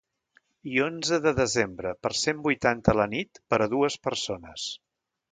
I onze de desembre, per cent vuitanta la nit, per a dues persones.